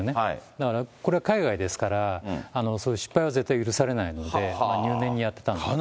だからこれは海外ですから、そういう失敗は絶対に許されないので、入念にやってたんでしょうね。